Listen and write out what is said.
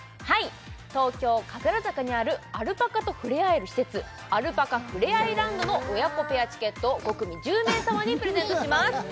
東京・神楽坂にあるアルパカと触れ合える施設アルパカふれあいランドの親子ペアチケットを５組１０名様にプレゼントします